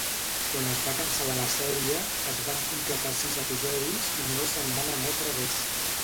Quan es va cancel·lar la sèrie, es van completar sis episodis i només se'n van emetre dos.